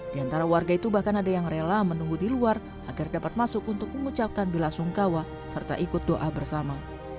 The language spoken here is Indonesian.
di antara warga itu bahkan ada yang rela menunggu di luar agar dapat masuk untuk mengucapkan bela sungkawa serta ikut doa bersama